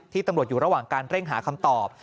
ตำรวจอยู่ระหว่างการเร่งหาคำตอบ